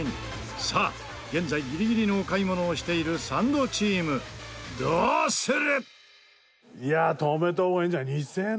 さあ現在ギリギリのお買い物をしているサンドチームどうする？